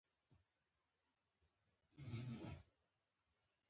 د خصوصي مالکیت د حقونو د خوندیتوب خبره کوله.